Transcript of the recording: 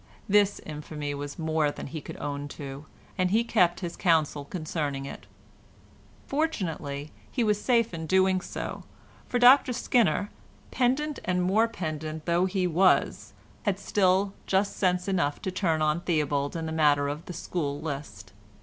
This infamy was more than he could own to, and he kept his counsel concerning it. Fortunately he was safe in doing so, for Dr Skinner, pedant and more than pedant though he was, had still just sense enough to turn on Theobald in the matter of the school list.